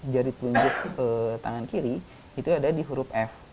jari telunjuk tangan kiri itu ada di huruf f